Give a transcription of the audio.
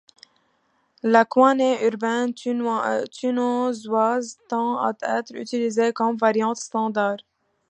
La koinè urbaine tunisoise tend à être utilisée comme variante standard.